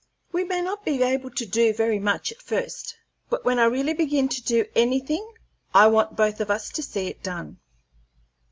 We may not be able to do very much at first, but when I really begin to do anything I want both of us to see it done."